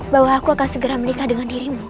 bahwa aku akan segera menikah dengan dirimu